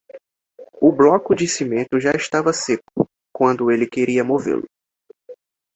O bloco de cimento já estava seco quando ele queria movê-lo.